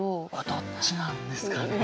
どっちなんですかね。